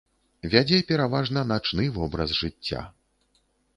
Вядзе пераважна начны вобраз жыцця.